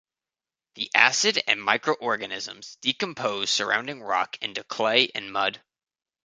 The acid and microorganisms decompose surrounding rock into clay and mud.